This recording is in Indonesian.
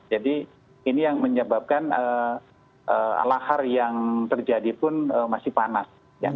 jadi ini yang menyebabkan alahar yang terjadi pun masih panas